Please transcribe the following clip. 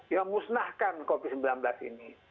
ya musnahkan covid sembilan belas ini